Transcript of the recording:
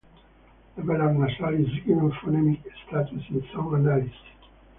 The velar nasal is given phonemic status in some analyses.